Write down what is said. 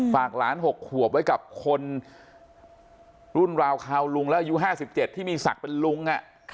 ฝากหลานหกขวบไว้กับคนรุ่นราวคาวลุงและอายุห้าสิบเจ็ดที่มีศักดิ์เป็นลุง